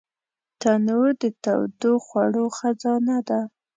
تنور د تودو خوړو خزانه ده